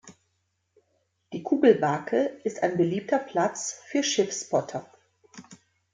Die Kugelbake ist ein beliebter Platz für Schiff-Spotter.